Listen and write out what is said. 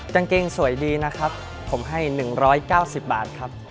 กางเกงสวยดีนะครับผมให้๑๙๐บาทครับ